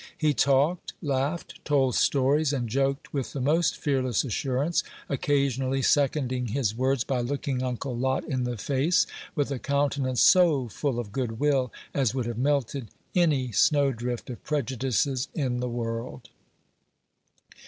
He talked, laughed, told stories, and joked with the most fearless assurance, occasionally seconding his words by looking Uncle Lot in the face, with a countenance so full of good will as would have melted any snowdrift of prejudices in the world.